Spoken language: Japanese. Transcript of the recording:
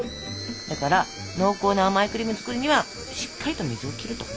だから濃厚な甘いクリーム作るにはしっかりと水を切ると。